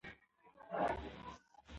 زه هره ورځ له کورنۍ سره د سهار ډوډۍ خورم